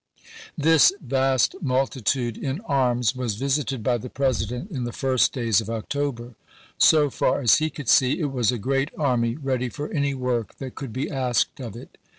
This vast multi tude in arms was visited by the President in the fii'st days of October. So far as he could see, it was a great army ready for any work that could be asked of it.